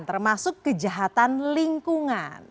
termasuk kejahatan lingkungan